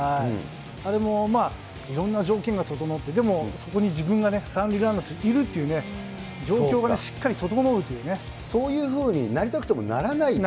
あれもいろんな条件が整って、でもそこに自分がいるっていう状況がしっかり整うというね、そういうふうになりたくてもならないと。